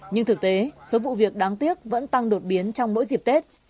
nhưng thực tế số vụ việc đáng tiếc vẫn tăng đột biến trong mỗi dịp tết